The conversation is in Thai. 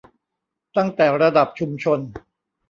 ตั้งแต่ระดับชุมชน